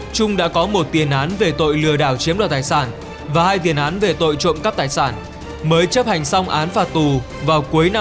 trung đã có một tiền án về tội lừa đảo chiếm đoạt tài sản và hai tiền án về tội trộm cắp tài sản mới chấp hành xong án phạt tù vào cuối năm hai nghìn hai mươi